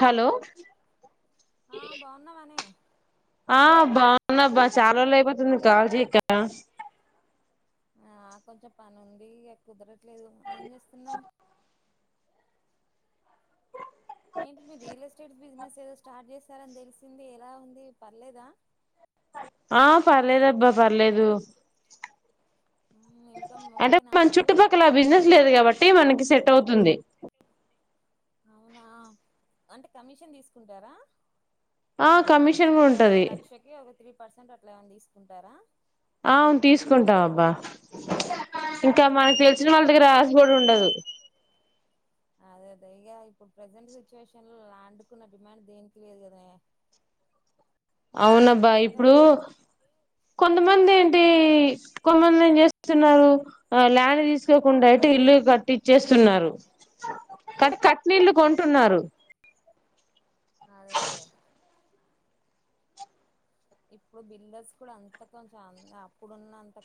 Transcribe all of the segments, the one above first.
hello ఆ బాగున్నామానే అవునా బా చాలా రోజులు అయిపోతుంది కాల్ చేయక ఆ కొంచెం పని ఉంది కుదర ట్లేదు ఏం చేస్తున్నావు ఏంటి మీరు రియల్ ఎస్టేట్ బిజినెస్ ఏదో స్టార్ట్ చేసారని తెలిసింది ఎలా ఉంది పర్లేదా ఆ పర్లేదబ్బా పర్లేదు ఇన్కమ్ అంటే ఓకేనా మన ఇప్పుడు చుట్టుపక్కల ఆ బిజినెస్ లేదు కాబట్టి మనకి సెట్ ట్ అవుతుంది అవునా అంటే కమిషన్ తీసుకుంటారా ఆ కమిషన్ ఇంత కూడా ప ఉంటది లక్షకి ఒక త్రీ పర్సెంట్ అట్లా ఏమైనా తీసుకుంటారా ఆ అవును తీసుకుంటావబ్బా ఇంకా ఉహు మనకి తెలిసిన వాళ్ళ దగ్గర రాస్బోర్డు ఉండదు అదే అద ఇగా ఇప్పుడు ప్రజెంట్ సిచ్యువేషన్ లో లాండ్కున్న డిమాండ్ దేనికి లేదు కదనే అవునబ్బా అప్పుడైతే ఇప్పుడు అసలు కొంతమంది ఏంటి కొమంది ఏం చేస్తున్నారు ల్యాండ్ తీసుకోకుండా అయితే ఇల్లు కట్టిచ్చేస్తున్నారు కట్ కట్నీళ్లు కొంటున్నారు అదే అదే ఇప్పుడు బిల్డర్స్ కూడా అంత కొంచెం అప్పుడున్నంత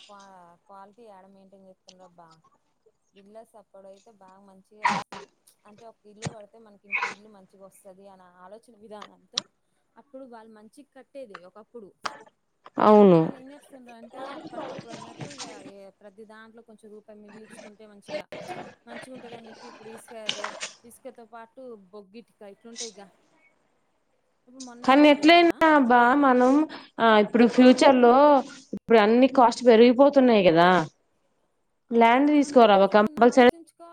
క్వాలిటీ ఎడ మెయింటైన్ చేస్తుండ్రబ్బా బిల్డర్స్ అప్పుడైతే బాగా మంచిగా అసలు అంటే ఇల్లు పడితే మనకి ఇంకో ఇల్లు మంచిగా వస్తది అన్న ఆలోచన విధానంతో అప్పుడు వాళ్ళు మంచి కట్టేది ఒక ఆప్పుడు ఇప్పుడున్న అవును వాళ్ళు ఏం చేస్తున్నారు అంటే అప్పటికప్పుడు అన్నట్టు ఇ ప్ర ది దాంట్లో కొంచెం రూపాయి మిగిలిచ్చుకుంటే మంచిగా మంచి ఉంటది అని చెప్పి ఇప్పుడు ఇసుక ఇసుకతో పాటు బొగ్గిటి కా ఇట్లుంటాయిగా కానీ ఎట్లయినా అబ్బా మనం ఆ ఇప్పుడు ఫ్యూచర్ లో ఇప్పుడు అన్ని కాస్ట్ పెరిగిపోతున్నాయి కదా అవును ల్యాండ్ మనం కూడా తీసుకోవరావ కొంచెం కొన్ని కబల్ ఆలోచించుకో